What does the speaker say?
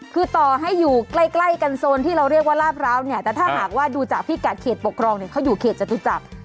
คือต่อให้อยู่ใกล้ใกล้กันโซนที่เราเรียกว่าลาดพร้าวเนี่ยแต่ถ้าหากว่าดูจากพิกัดเขตปกครองเนี่ยเขาอยู่เขตจตุจักร